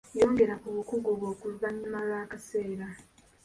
Yongera ku bukugu bwo oluvannyuma lw'akaseera.